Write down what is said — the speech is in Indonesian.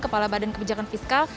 kepala badan kebijakan fiskal